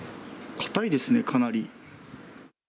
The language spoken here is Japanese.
硬いですね、かなり。